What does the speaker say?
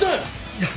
いや。